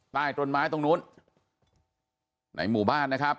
ใต้ต้นไม้ตรงนู้นในหมู่บ้านนะครับ